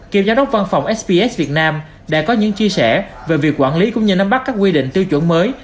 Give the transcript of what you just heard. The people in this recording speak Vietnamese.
kiều giám đốc văn phòng sps việt nam đã có những chia sẻ về việc quản lý cũng như nắm bắt các quy định tiêu chuẩn mới